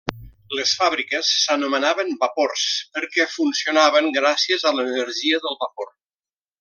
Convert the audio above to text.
Les fàbriques s'anomenaven vapors, perquè funcionaven gràcies a l'energia del vapor.